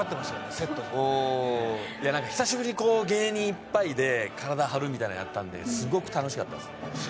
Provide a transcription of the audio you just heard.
セットにうん久しぶりに芸人いっぱいで体張るみたいなのやったんですごく楽しかったです